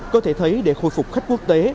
có thể thấy để khôi phục khách quốc tế